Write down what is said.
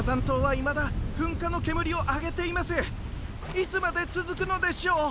いつまでつづくのでしょう！